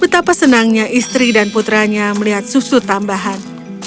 betapa senangnya istri dan putranya melihat susu tambahan